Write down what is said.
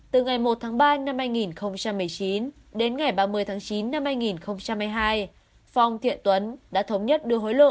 từ ngày một tháng ba năm hai nghìn một mươi chín đến ngày ba mươi tháng chín năm hai nghìn hai mươi hai phong thiện tuấn đã thống nhất đưa hối lộ